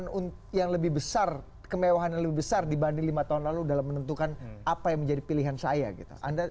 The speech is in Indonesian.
yang lebih besar kemewahan yang lebih besar dibanding lima tahun lalu dalam menentukan apa yang menjadi pilihan saya gitu